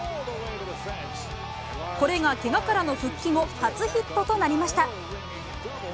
これがけがからの復帰後、初ヒットとなりました。